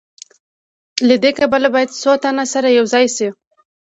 له دې کبله باید څو تنه سره یوځای شي